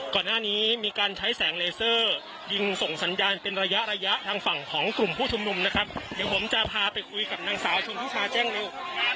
ก่อนหน้านี้มีการใช้แสงเลเซอร์ยิงส่งสัญญาณเป็นระยะระยะทางฝั่งของกลุ่มผู้ชุมนุมนะครับเดี๋ยวผมจะพาไปคุยกับนางสาวชุมพิชาแจ้งเร็ว